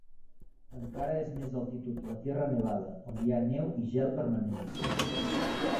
Encara és a més altitud la Tierra Nevada, on hi ha neu i gel permanents.